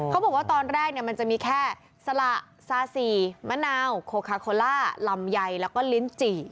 เขาบอกว่าตอนแรกมันจะมีแค่สละซาสี่มะนาวโคคาโคล่าลำไยแล้วก็ลิ้นจี่